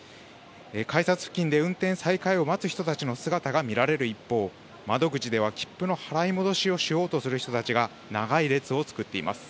改札付近で運転再開を待つ人たちの姿が見られる一方、窓口では切符の払い戻しをしようとする人たちが長い列を作っています。